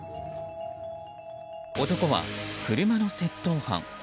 男は車の窃盗犯。